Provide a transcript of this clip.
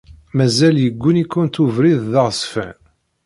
Mazal yegguni-kent ubrid d aɣezfan.